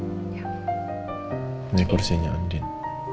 ini kursinya andin